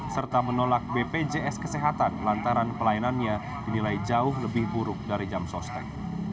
serta menolak bpjs kesehatan lantaran pelayanannya dinilai jauh lebih buruk dari jam sostek